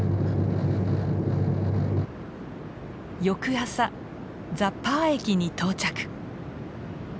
翌朝ザ・パー駅に到着。